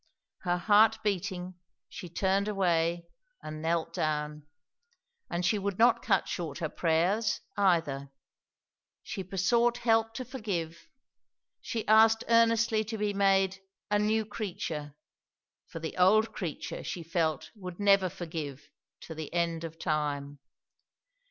Her heart beating, she turned away and knelt down. And she would not cut short her prayers, either. She besought help to forgive; she asked earnestly to be made "a new creature"; for the old creature, she felt, would never forgive, to the end of time.